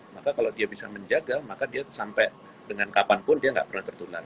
maka kalau dia bisa menjaga maka dia sampai dengan kapanpun dia nggak pernah tertular